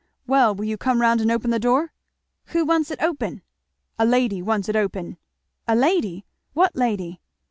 "Well will you come round and open the door?" "Who wants it open?" "A lady wants it open?" "A lady! what lady?"